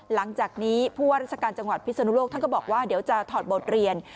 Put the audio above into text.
หลังจากนี้ผู้ว่าราชการจังหวัดพิศนุโลกท่านก็บอกว่าเดี๋ยวจะถอดบทเรียน